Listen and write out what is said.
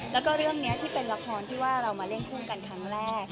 แล้วก็เรื่องนี้ที่เป็นละครที่ว่าเรามาเล่นคู่กันครั้งแรก